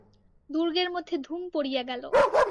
দুর্গের মধ্যে ধুম পড়িয়া গেল।